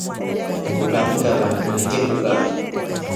Ukanyikaba nani ngekukaba.